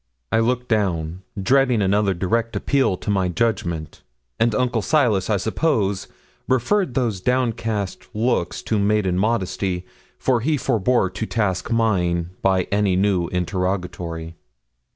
I looked down, dreading another direct appeal to my judgment; and Uncle Silas, I suppose, referred those downcast looks to maiden modesty, for he forbore to task mine by any new interrogatory.